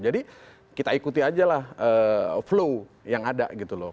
jadi kita ikuti saja lah flow yang ada gitu loh